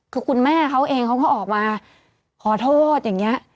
คือคุณแม่เขาเองเขาก็ออกมาขอโทษอย่างนี้